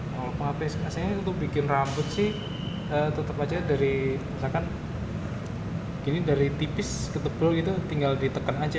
kalau pengaplikasiannya untuk bikin rambut sih tetap saja dari tipis ke tebal tinggal ditekan saja